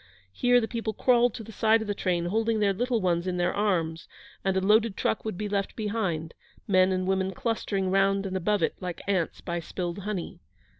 Here the people crawled to the side of the train, holding their little ones in their arms; and a loaded truck would be left behind, men and women clustering round and above it like ants by spilled honey.